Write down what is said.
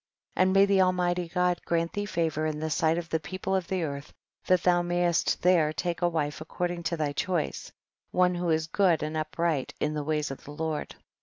28. And may the Almighty God grant thee favor in the sight of the people of the earth, that thou mayest there take a wife according 1o thy choice ; one who is good and upright in the ways of the Lord.